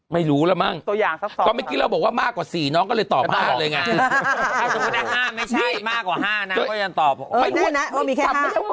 ไม่รู้ละมั่งตัวอย่างสักบอกไม่กิ้งเราบอกว่ามากกว่าสี่น้องก็เลยตอบได้มันไม่ใช่มากกว่า๕นับยันตอบ